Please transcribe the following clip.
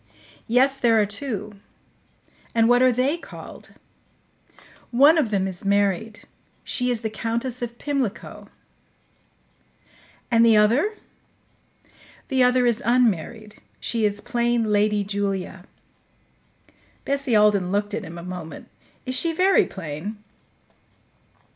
"Yes, there are two." "And what are they called?" "One of them is married. She is the Countess of Pimlico." "And the other?" "The other is unmarried; she is plain Lady Julia." Bessie Alden looked at him a moment. "Is she very plain?"